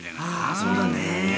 あそうだね。